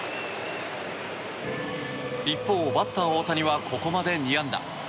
一方、バッター大谷はここまで２安打。